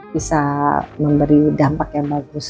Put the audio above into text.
bisa memberi dampak yang bagus